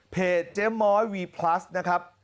เพจเจมส์ม้อยวีพลัสนะครับ